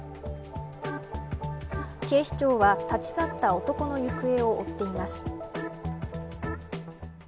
警視庁は、立ち去った男の行方を追っています。